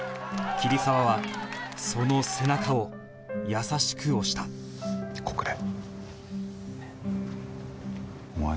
桐沢はその背中を優しく押した告れ。